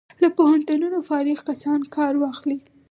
له پوهنتونونو فارغ کسان کار واخلي.